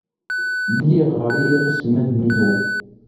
Lliɣ riɣ iselmaden-inu.